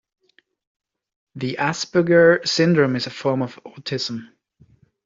The Asperger syndrome is a form of autism.